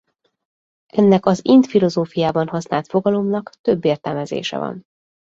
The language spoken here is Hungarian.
Ennek az ind filozófiában használt fogalomnak több értelmezése van.